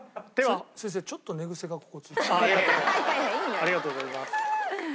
ありがとうございます。